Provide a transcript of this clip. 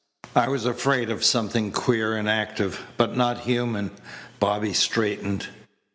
I was afraid of something queer and active, but not human." Bobby straightened.